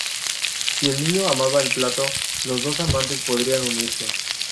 Si el niño amaba el plato, los dos amantes podrían unirse.